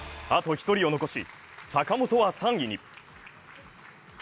あと１人を残し、坂本は３位に。